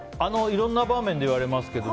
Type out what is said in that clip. いろんな場面で言われますけど